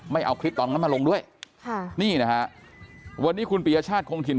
ไม่เอาคลิปตอนนั้นมาลงด้วยค่ะนี่นะฮะวันนี้คุณปียชาติคงถิ่น